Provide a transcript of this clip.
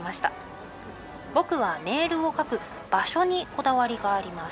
「僕はメールを書く『場所』にこだわりがあります。